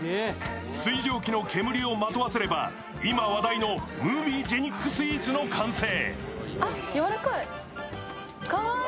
水蒸気の煙をまとわせれば、今話題のムービージェニックスイーツの完成。